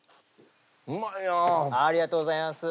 ありがとうございます。